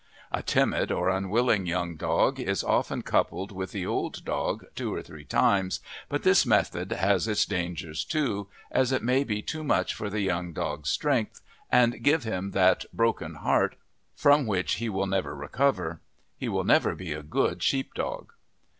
A timid or unwilling young dog is often coupled with the old dog two or three times, but this method has its dangers too, as it may be too much for the young dog's strength, and give him that "broken heart" from which he will never recover; he will never be a good sheep dog.